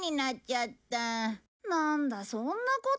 なんだそんなこと。